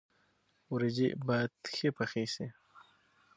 ورجې باید ښې پخې شي.